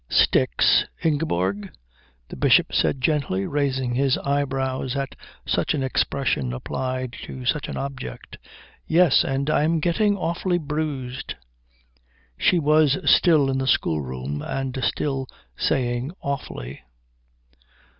"Sticks, Ingeborg?" the Bishop said gently, raising his eyebrows at such an expression applied to such an object. "Yes, and I'm getting awfully bruised." She was still in the schoolroom, and still saying awfully.